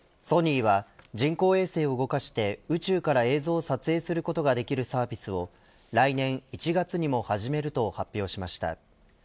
ソニーは人工衛星を動かして宇宙から映像を撮影することができるサービスを来年１月にも始めると発表しました。